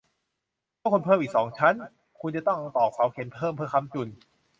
ถ้าคุณเพิ่มอีกสองชั้น คุณจะต้องตอกเสาเข็มเพิ่มเพื่อค้ำจุน